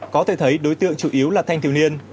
có thể thấy đối tượng chủ yếu là thanh thiếu niên